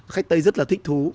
khách tây rất là thích thú